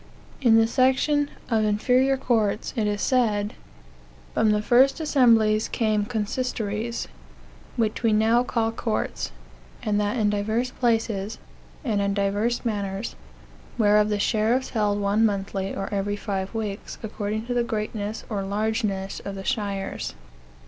In the section " Of Inferior Courts," it is said: "From the first assemblies came consistories, which we now call courts, and that in divers places, and in divers manners: whereof the sheriffs held one monthly, or every five weeks according to the greatness or largeness of the shires.